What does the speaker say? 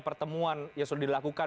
pertemuan yang sudah dilakukan